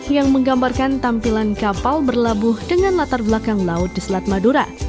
yang menggambarkan tampilan kapal berlabuh dengan latar belakang laut di selat madura